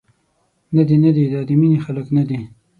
ندي، ندي دا د مینې خلک ندي.